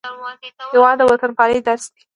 هېواد د وطنپالنې درس دی.